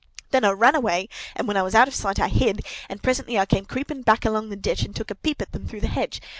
Then I ran away, and when I was out of sight I hid; and presently I came creeping back along the ditch and took a peep at them through the hedge.